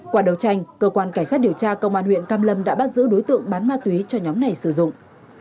qua đấu tranh cơ quan cảnh sát điều tra công an huyện cam lâm đã bắt giữ đối tượng bán ma túy cho nhóm này sử dụng